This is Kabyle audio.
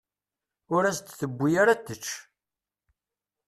Ur as-d-tewwi ara ad tečč.